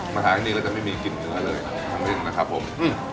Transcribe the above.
มาทานกันดีกว่าจะไม่มีกลิ่นเนื้อเลยนะครับผม